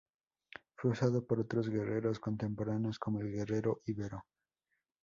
Fue usado por otros guerreros contemporáneos, como el guerrero ibero.